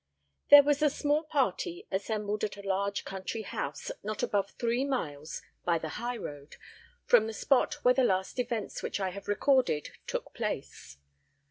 There was a small party assembled at a large country house not above three miles, by the high road, from the spot where the last events which I have recorded took place.